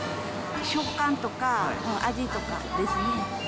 食感とか味とかですね。